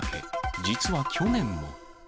実は去年も。